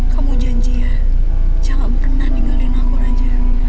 kamu janji ya jangan pernah ninggalin aku raja